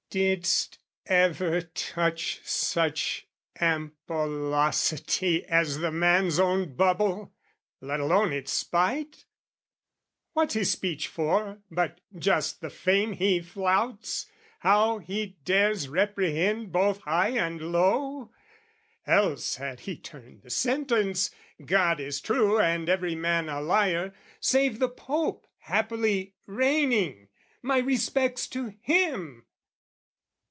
Didst ever touch such ampollosity As the man's own bubble, let alone its spite? What's his speech for, but just the fame he flouts How he dares reprehend both high and low? Else had he turned the sentence "God is true "And every man a liar save the Pope "Happily reigning my respects to him!"